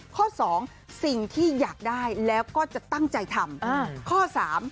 ข้อสองสิ่งที่อยากได้แล้วก็จะตั้งใจทำข้อ๓